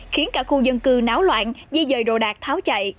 khiến cả khu dân cư náo loạn di dời đồ đạc tháo chạy